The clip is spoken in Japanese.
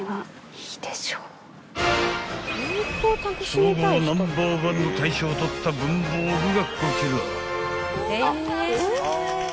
［総合ナンバーワンの大賞を取った文房具がこちら］